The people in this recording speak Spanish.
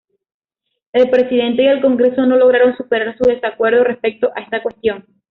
El Presidente y el Congreso no lograron superar su desacuerdo respecto a esta cuestión.